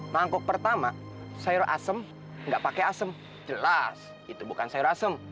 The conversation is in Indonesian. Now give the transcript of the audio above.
mangkuk pertama sayur asem nggak pakai asem jelas itu bukan sayur asem